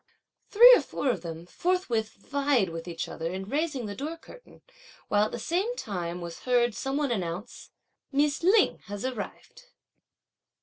Three or four of them forthwith vied with each other in raising the door curtain, while at the same time was heard some one announce: "Miss Lin has arrived."